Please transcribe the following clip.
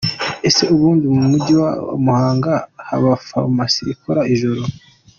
Ese ubundi mu Mujyi wa Muhanga haba farumasi ikora ijoro ?.